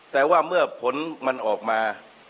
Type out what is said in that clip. แต่ว่าเมื่อผลมันออกมา